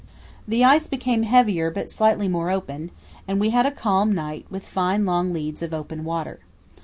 The ice became heavier but slightly more open, and we had a calm night with fine long leads of open water.